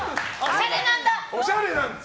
おしゃれなんだ！